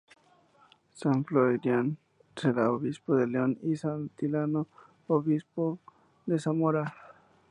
San Froilán será obispo de León y San Atilano obispo de Zamora.